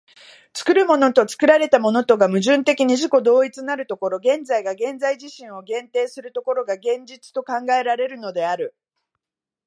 作るものと作られたものとが矛盾的に自己同一なる所、現在が現在自身を限定する所が、現実と考えられるのである。